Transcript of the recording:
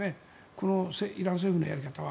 このイラン政府のやり方は。